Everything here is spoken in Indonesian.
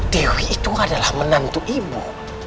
dewi itu adalah menantu ibu